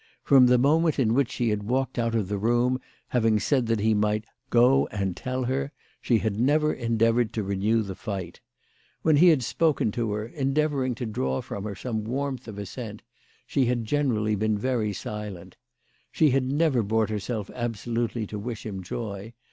From the moment in which she had walked out of the room, having said that he might " go and tell her," she had never endeavoured to renew the fight. When he had spoken to her, endeavouring THE LADY OF LAUNAY. 189 to draw from her some warmth, of assent, she had generally been very silent. She had never brought herself absolutely to wish him joy.